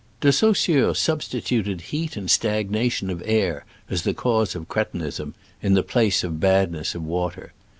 De Saussure substituted heat and stag nation of air as the cause of cretinism, in the place of badness of water.